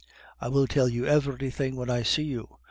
I will tell you everything when I see you.